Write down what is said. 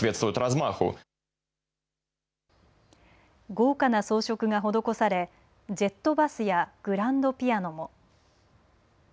豪華な装飾が施されジェットバスやグランドピアノも。